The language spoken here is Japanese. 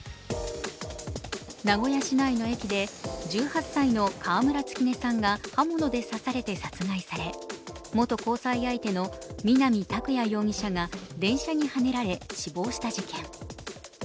名古屋市内の駅で１８歳の川村月音さんが刃物で刺されて殺害され元交際相手の南拓哉容疑者が電車にはねられ死亡した事件。